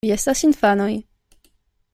Vi estas infanoj.